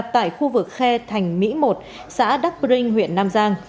tại khu vực khe thành mỹ một xã đắk brinh huyện nam giang